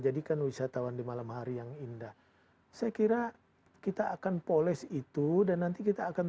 jadikan wisatawan di malam hari yang indah saya kira kita akan polis itu dan nanti kita akan